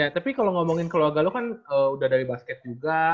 tapi kalau ngomongin keluarga lo kan udah dari basket juga